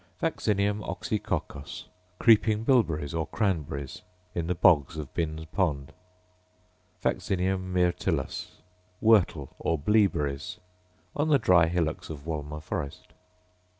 Vaccinium oxycoccos, creeping bilberries or cranberries, — in the bogs of Bin's pond. Vaccinium myrtillus, whortle, or bleaberries, — on the dry hillocks of Wolmer forest.